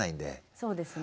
そうですね。